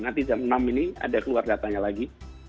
nanti jam enam ini ada keluar datanya lagi